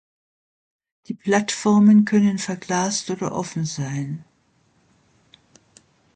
Die Plattformen können verglast oder offen sein.